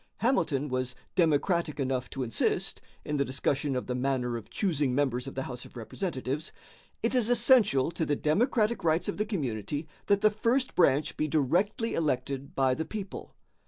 Hamilton was democratic enough to insist, in the discussion of the manner of choosing members of the House of Representatives, "It is essential to the democratic rights of the community that the first branch be directly elected by the people."